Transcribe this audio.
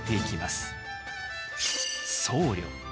僧侶。